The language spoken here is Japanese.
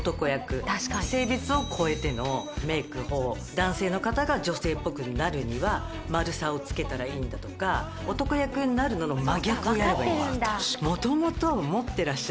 男性の方が女性っぽくなるには丸さをつけたらいいんだとか男役になる真逆をやればいい。